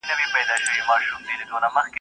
دنيا خپله لري، روی پر عالم لري.